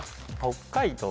北海道？